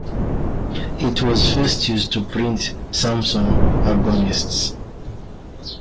It was first used to print Samson Agonistes.